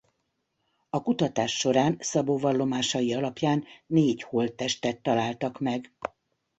A kutatás során Szabó vallomásai alapján négy holttestet találtak meg.